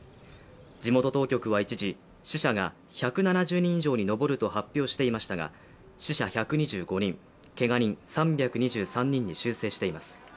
地元当局は一時死者が１７０人以上に上ると発表していましたが、死者１２５人、けが人３２３人に修正しています。